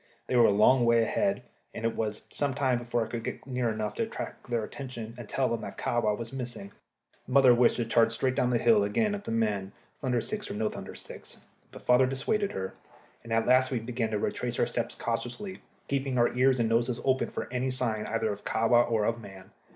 They were a long way ahead, and it was some time before I could get near enough to attract their attention and tell them that Kahwa was missing. Mother wished to charge straight down the hill again at the men, thunder sticks or no thunder sticks; but father dissuaded her, and at last we began to retrace our steps cautiously, keeping our ears and noses open for any sign either of Kahwa or of man.